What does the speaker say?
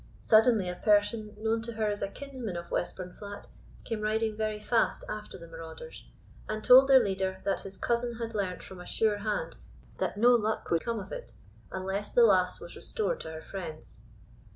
Suddenly a person, known to her as a kinsman of Westburnflat, came riding very fast after the marauders, and told their leader, that his cousin had learnt from a sure hand that no luck would come of it, unless the lass was restored to her friends.